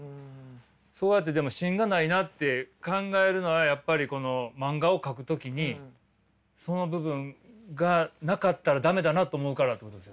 そうやってでも芯がないなって考えるのはやっぱりこの漫画を描く時にその部分がなかったら駄目だなと思うからってことですよね？